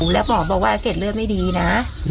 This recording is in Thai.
แล้วหมอบอกว่าเกร็ดเลือดไม่ดีนะ